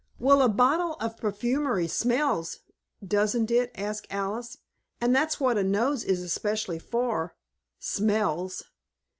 "Well, a bottle of perfumery smells, doesn't it?" asked Alice, "and that's what a nose is especially for; smells."